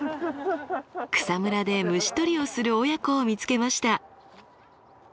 草むらで虫とりをする親子を見つけました。